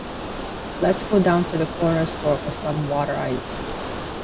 Let's go down to the corner store for some water ice.